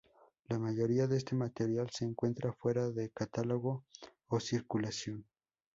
La mayoría de este material se encuentra fuera de catálogo o circulación.